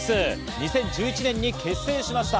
２０１１年に結成しました。